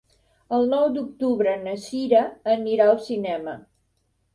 El nou d'octubre na Cira anirà al cinema.